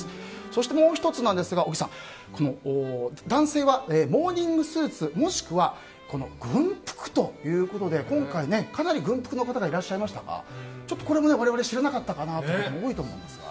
そして、もう１つ小木さん、男性はモーニングスーツもしくは軍服ということで今回、かなり軍服の方がいらっしゃいましたがこれも我々知らなかったかなということも多いと思うんですが。